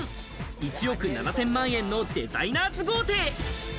１億７０００万円のデザイナーズ豪邸。